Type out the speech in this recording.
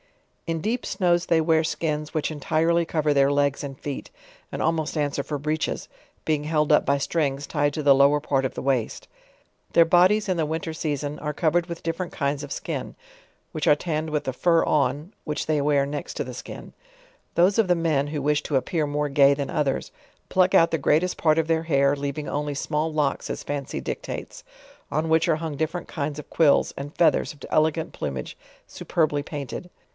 In deep snows they wear skins, which entirely cover their legs and feet, and almost answer for breeches: being held up by strings tied to the lower part of the waist. Their bodies in the winter season, are covered with different kinds of skin, which are tanned with the fur on, which they wear next to the skin. Those of the men, who wish to appear more gay than others, pluck out the greatest part of their hair, leav ing only small locks as fancy dictates, on which are hung different kinds of quills, and feathers of elegant plumage su perbly painted.